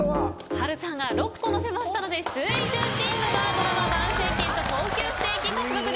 波瑠さん６個載せましたので水１０チームがドラマ番宣権と高級ステーキ獲得です！